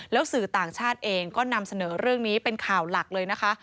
แล้วสื่อต่างชาติเองก็นำเสนอเรื่องนี้เป็นข่าวหลักเลยนะคะ